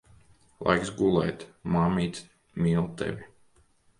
Laiks gulēt. Mammīte mīl tevi.